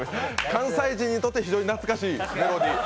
関西人にとっては懐かしいメロディー。